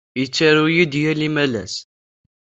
Tettaru-iyi-d yal imalas.